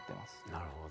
なるほど。